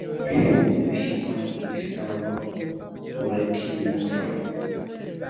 Uhima igisambo arakibitsa